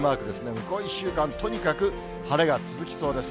向こう１週間、とにかく晴れが続きそうです。